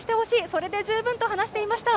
それで十分と話していました。